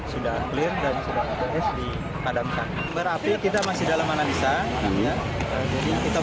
sudah clear dan sudah ada res di panggilan